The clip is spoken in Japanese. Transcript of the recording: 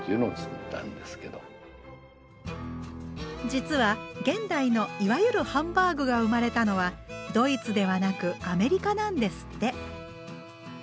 実は現代のいわゆるハンバーグが生まれたのはドイツではなくアメリカなんですって。